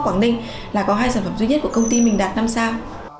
hoàng ninh là hai sản phẩm duy nhất của công ty mình đạt năm sao